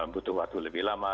butuh waktu lebih lama